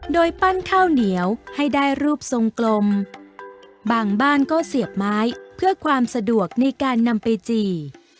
โดยปั้นข้าวเหนียวให้ได้รูปทรงกลมบางบ้านก็เสียบไม้เพื่อความสะดวกในการนำไปจี่